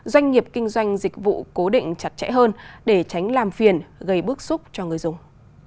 doanh nghiệp kinh doanh dịch vụ cố định chặt chẽ hơn để tránh làm phiền gây bức xúc cho người dùng